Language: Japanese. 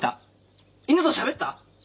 犬としゃべった？